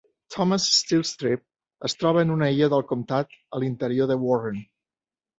Thomas Steel Strip es troba en una illa del comtat a l'interior de Warren.